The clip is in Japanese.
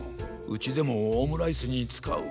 うちでもオムライスにつかう。